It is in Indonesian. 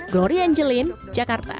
gloria angelin jakarta